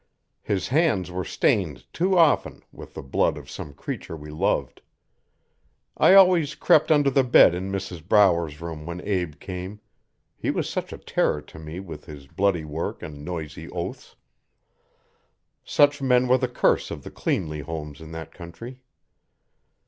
His hands were stained too often with the blood of some creature we loved. I always crept under the bed in Mrs Brower's room when Abe came he was such a terror to me with his bloody work and noisy oaths. Such men were the curse of the cleanly homes in that country.